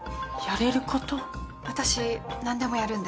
私何でもやるんで。